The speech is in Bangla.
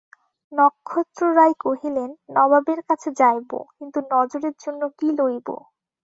নক্ষত্ররায় কহিলেন, নবাবের কাছে যাইব, কিন্তু নজরের জন্য কী লইব।